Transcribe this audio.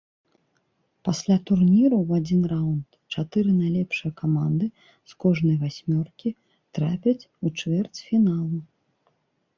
Пасля турніру ў адзін раунд чатыры найлепшыя каманды з кожнай васьмёркі трапяць у чвэрцьфіналу.